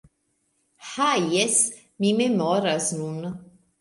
Ha jes! Mi memoras nun: